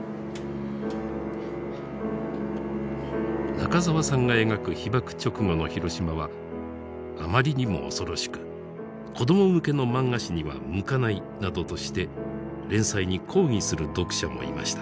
中沢さんが描く被爆直後の広島はあまりにも恐ろしく子ども向けの漫画誌には向かないなどとして連載に抗議する読者もいました。